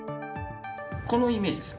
このイメージです。